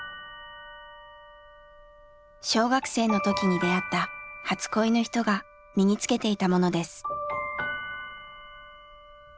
小学生の時に出会った初恋の人が身に着けていたものです。